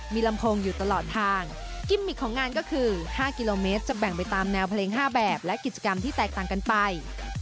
มีลำโพงอยู่ตลอดทางกิมมิกของงานก็คือ๕กิโลเมตรจะแบ่งไปตามแนวเพลง๕แบบและกิจกรรมที่แตกต่างกันไป